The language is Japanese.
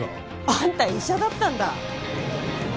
あんた医者だったんだ。